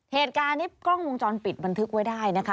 เหตุการณ์นี้กล้องวงจรปิดบันทึกไว้ได้นะคะ